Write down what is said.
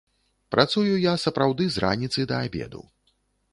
Працую я сапраўды з раніцы да абеду.